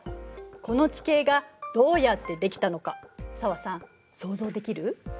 この地形がどうやってできたのか紗和さん想像できる？